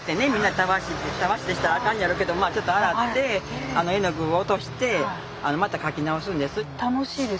たわしでしたらあかんのやろうけどまあちょっと洗って絵の具を落としてまた描き直すんです。